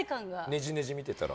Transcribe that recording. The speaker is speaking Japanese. ねじねじ見てたら。